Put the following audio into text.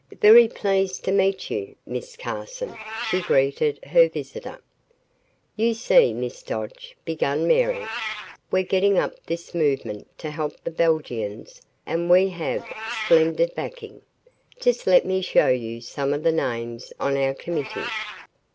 Very pleased to meet you, Miss Carson," she greeted her visitor. "You see, Miss Dodge," began Mary, "we're getting up this movement to help the Belgians and we have splendid backing. Just let me show you some of the names on our committee."